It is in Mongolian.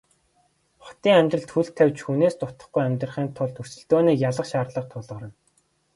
Хотын амьдралд хөл тавьж хүнээс дутахгүй амьдрахын тулд өрсөлдөөнийг ялах шаардлага тулгарна.